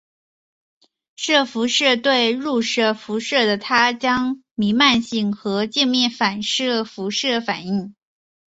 射辐射对入射辐射的它将包括弥漫性和镜面反射辐射反映。